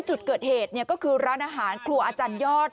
จุดเกิดเหตุก็คือร้านอาหารครัวอาจารยอด